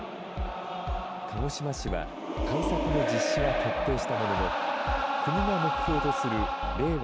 鹿児島市は、対策の実施は決定したものの、国が目標とする令和